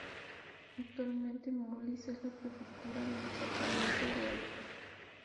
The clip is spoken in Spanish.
Actualmente Moulins es la prefectura del departamento de Allier.